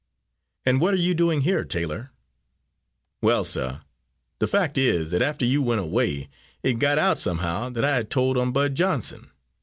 "And what are you doing here, Taylor?" "Well, suh, the fact is that after you went away, it got out somehow that I had told on Bud Johnson.